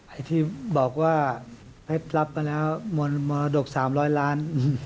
ไอ้ที่บอกว่าให้รับมาแล้วมรดก๓๐๐ล้าน